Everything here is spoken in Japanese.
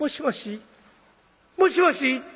「もしもし！」。